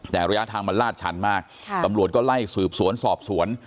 แต่ระยะทางมันลาดชันมากตำรวจก็ไล่สืบสวนสอบสวน